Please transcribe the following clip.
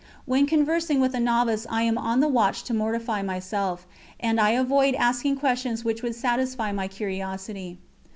When conversing with a novice I am on the watch to mortify myself, and I avoid asking questions which would satisfy my curiosity.